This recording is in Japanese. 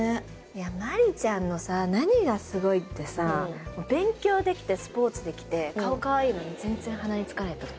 真里ちゃんのさ何がすごいってさ勉強できてスポーツできて顔かわいいのに全然鼻につかないとこ。